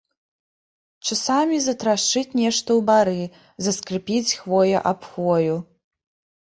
Часамі затрашчыць нешта ў бары, заскрыпіць хвоя аб хвою.